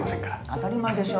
当たり前でしょ。